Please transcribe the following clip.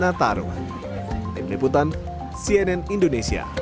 selama libur natal